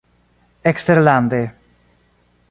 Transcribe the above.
Eksterlande.